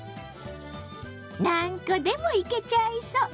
何個でもいけちゃいそう！